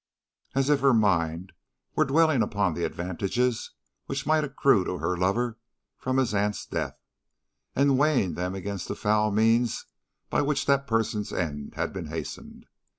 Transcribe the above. As if her mind were dwelling upon the advantages which might accrue to her lover from his aunt's death, and weighing them against the foul means by which that person's end had been hastened.